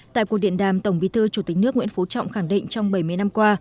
tại cuộc điện đàm tổng bí thư chủ tịch nước nguyễn phú trọng khẳng định trong bảy mươi năm qua